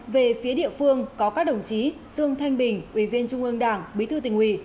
về phía địa phương có các đồng chí dương thanh bình ủy viên trung ương đảng bí thư tỉnh ủy